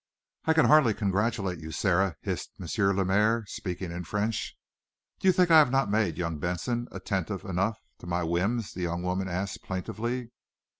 "I can hardly congratulate you, Sara," hissed M. Lemaire, speaking in French. "You think I have not made young Benson attentive enough to my whims?" the young woman asked, plaintively.